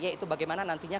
yaitu bagaimana nantinya